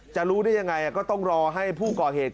จะรู้ได้อย่างไรก็ต้องรอให้ผู้เกาะเหตุ